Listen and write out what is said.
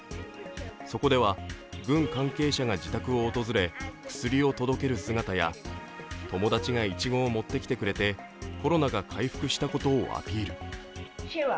そこでは軍関係者が自宅を訪れ薬を届ける姿や友達がいちごを持ってきてくれてコロナが回復したことをアピール。